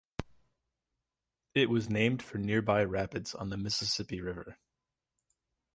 It was named for nearby rapids on the Mississippi River.